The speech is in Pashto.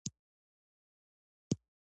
وسپارل سي د منلو وړ نه دي.